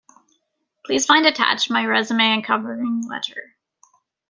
Please find attached my resume and covering letter.